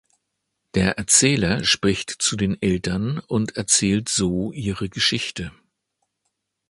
Der Erzähler spricht zu den Eltern und erzählt so ihre Geschichte.